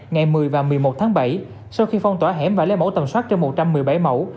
ngày một mươi và một mươi một tháng bảy sau khi phong tỏa hẻm và lấy mẫu tầm soát trên một trăm một mươi bảy mẫu